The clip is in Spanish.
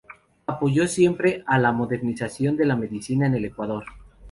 Apoyó siempre a la modernización de la medicina en el Ecuador.